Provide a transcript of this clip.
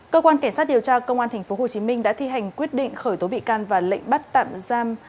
cơ quan cảnh sát điều tra công an tp hcm đã thi hành quyết định khởi tố bị can và lệnh bắt tạm giam